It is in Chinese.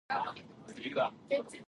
七海娜娜米